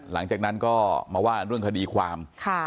หลังจากนั้นก็มาว่าเรื่องคดีความ